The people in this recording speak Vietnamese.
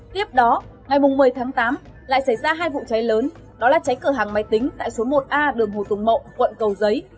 tiếp đó ngày một mươi tháng tám lại xảy ra hai vụ cháy lớn đó là cháy cửa hàng máy tính tại số một a đường hồ tùng mậu quận cầu giấy